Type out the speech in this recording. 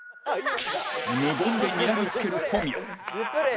無言でにらみつける小宮